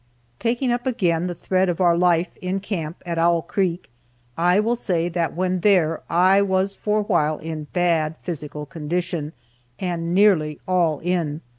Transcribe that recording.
Taking up again the thread of our life in camp at Owl creek, I will say that when there I was for a while in bad physical condition, and nearly "all in."